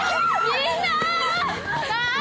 みんなー！